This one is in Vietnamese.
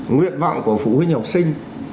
nguyện vọng của phụ huynh học sinh